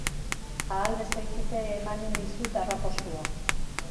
Ahal bezain fite emanen dizut arrapostua.